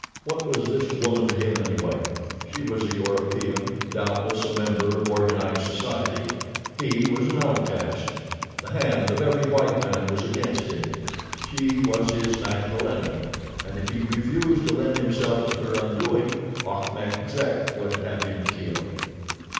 What was this woman to him, anyway? She was a European, doubtless, a member of organized society. He was an outcast. The hand of every white man was against him. She was his natural enemy, and if he refused to lend himself to her undoing, Achmet Zek would have him killed.